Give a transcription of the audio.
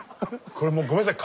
これもうごめんなさい。